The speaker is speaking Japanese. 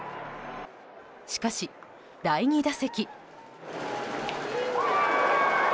しかし、第２打席。